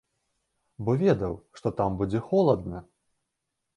Бо ведаў, што там будзе холадна.